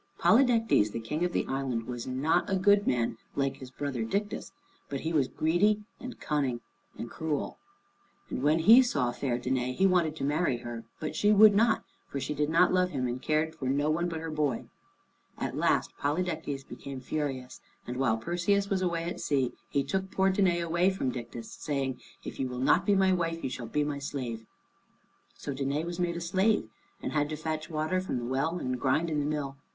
Polydectes, the King of the island, was not a good man like his brother Dictys, but he was greedy and cunning and cruel. And when he saw fair Danæ, he wanted to marry her. But she would not, for she did not love him, and cared for no one but her boy. At last Polydectes became furious, and while Perseus was away at sea, he took poor Danæ away from Dictys, saying, "If you will not be my wife, you shall be my slave." So Danæ was made a slave, and had to fetch water from the well, and grind in the mill.